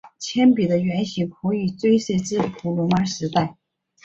铅笔的原型可以追溯至古罗马时代。